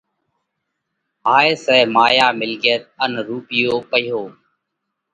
هائي سئہ مايا، مِلڳت ان رُوپيو پئِيهو۔